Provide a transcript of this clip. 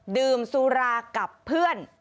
ดื่มสุรากับเพื่อน